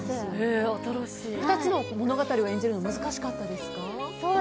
２つの物語を演じるの難しかったですか？